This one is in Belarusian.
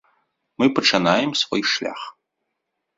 Мы пачынаем свой шлях.